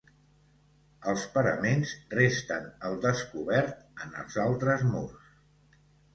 Els paraments resten al descobert en els altres murs.